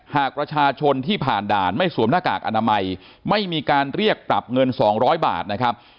หากประชาชนที่ผ่านด่านไม่สวมหน้ากากอนามัยไม่มีการเรียกปรับเงิน๒๐๐บาทนะครับ